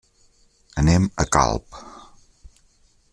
Anem a Calp.